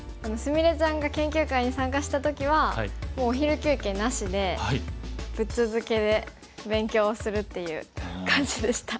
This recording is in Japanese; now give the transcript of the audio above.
菫ちゃんが研究会に参加した時はもうお昼休憩なしでぶっ続けで勉強するっていう感じでした。